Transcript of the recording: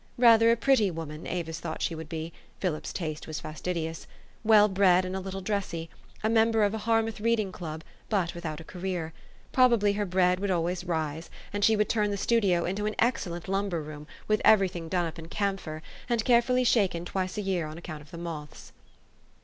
Rather a pretty woman, Avis thought she would be (Philip's taste was fastidious), well bred and a little dressy, a member of a Harmouth read ing club, but without a career ; probably her bread would always rise ; and she would turn the studio into an excellent lumber room, with every thing done up in camphor, and carefully shaken twice a year on account of the moths.